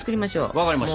分かりました。